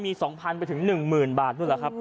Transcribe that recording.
มี๒๐๐ไปถึง๑๐๐๐บาทนู่นแหละครับ